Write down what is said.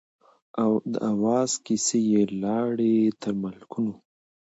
د آواز کیسې یې ولاړې تر ملکونو